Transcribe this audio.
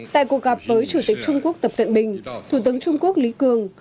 tại cuộc gặp với chủ tịch trung quốc tập cận bình thủ tướng trung quốc lý cường